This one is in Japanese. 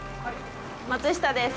松下です。